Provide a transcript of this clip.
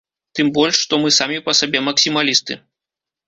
Тым больш, што мы самі па сабе максімалісты.